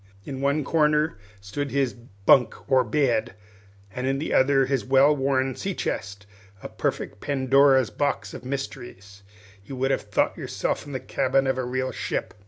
In one corner stood his bunk, or bed, and in the other his well worn sea chest, a perfect Pandora's box of mysteries. You would have thought yourself in the cabin of a real ship.